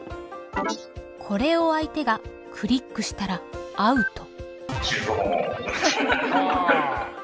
これを相手がクリックしたらアウト。